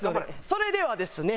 それではですね